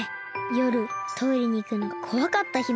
よるトイレにいくのがこわかった姫。